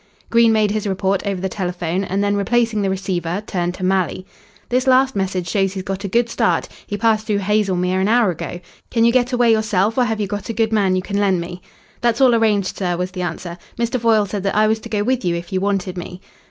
Green made his report over the telephone and then, replacing the receiver, turned to Malley. "This last message shows he's got a good start. He passed through Haslemere an hour ago. Can you get away yourself, or have you got a good man you can lend me?" "That's all arranged, sir," was the answer. "Mr. Foyle said that I was to go with you if you wanted me."